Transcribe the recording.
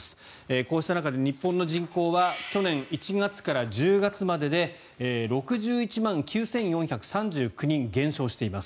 こうした中で、日本の人口は去年１月から１１月まで６１万９４３９人減少しています。